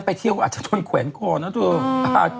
ให้ไปเที่ยวอาจดนท์แขวนหัวนะเธอ